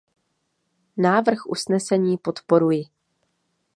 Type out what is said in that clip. Návrh usnesení podporuji.